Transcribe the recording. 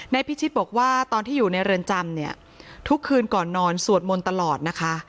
พิชิตบอกว่าตอนที่อยู่ในเรือนจำเนี่ยทุกคืนก่อนนอนสวดมนต์ตลอดนะคะ